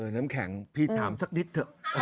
น้ำแข็งพี่ถามสักนิดเถอะ